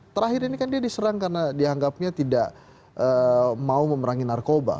terakhir ini kan dia diserang karena dianggapnya tidak mau memerangi narkoba